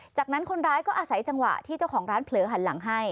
จากนั้นคนร้ายก็อาศัยจังหวะที่เจ้าของร้านเผลอหันหลังให้